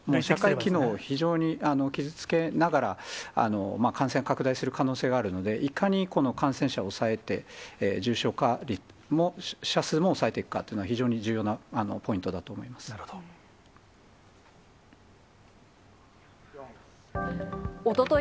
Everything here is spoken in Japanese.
社会機能を非常に傷つけながら、感染拡大する可能性があるので、いかにその感染者を抑えて、重症者数も抑えていくかっていうのは、非常に重要なポイントだとなるほど。